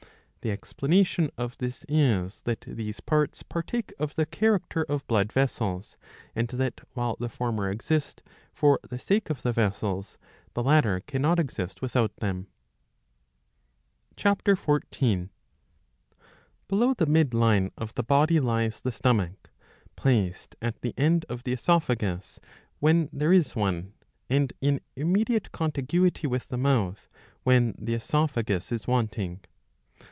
The expla nation of this is that these parts partake of the character of blood vessels, and that while the former exist for the sake of the vessels, the latter cannot exist without them.^ (Ch. i/!if.) Below the mid line of the body lies the stomach, placed at the end of the oesophagus, when there is one, and in immediate contiguity with the mouth, when the CESophagus is wanting.